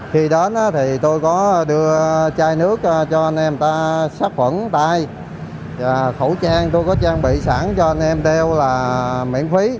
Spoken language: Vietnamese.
khi đến thì tôi có đưa chai nước cho anh em ta sát quẩn tay và khẩu trang tôi có trang bị sẵn cho anh em đeo là miễn phí